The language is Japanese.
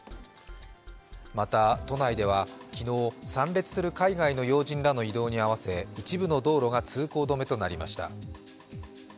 また、都内では、昨日、参列する海外の要人らの移動に合わせ、一部の道路が通行止めとなりました。